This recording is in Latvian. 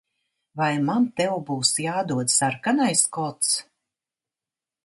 Vai man tev būs jādod sarkanais kods?